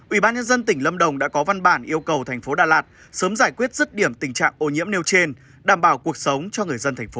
ủy ban nhân dân tỉnh lâm đồng đã có văn bản yêu cầu thành phố đà lạt sớm giải quyết rứt điểm tình trạng ô nhiễm nêu trên đảm bảo cuộc sống cho người dân thành phố